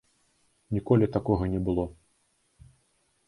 Ніколі такога не было.